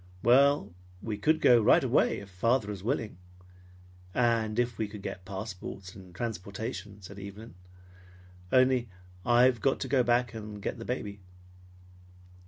"Well, we could go right away if father is willing, and if we could get passports and transportation," said Evelyn. "Only I've got to go back and get the baby."